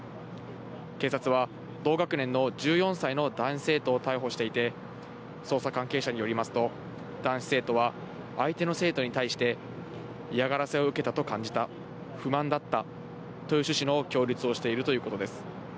警察は、同学年の１４歳の男子生徒を逮捕していて、捜査関係者によりますと、男子生徒は相手の生徒に対して、嫌がらせを受けたと感じた、不満だったという趣旨の供述をしているということです。